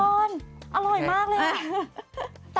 พี่ฟรรย์อร่อยมากเลย